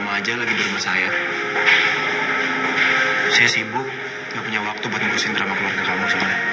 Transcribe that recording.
kamu rumah saya saya sibuk nggak punya waktu buat ngusin drama keluarga kamu